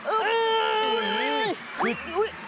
ออกละ